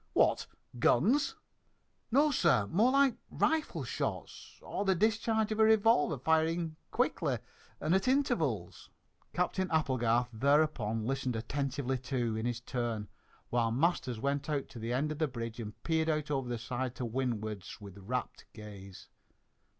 "What, guns?" "No sir, more like rifle shots, or the discharge of a revolver firing quickly at intervals." Captain Applegarth thereupon listened attentively, too, in his turn, while Masters went out to the end of the bridge and peered out over the side to windward with rapt gaze.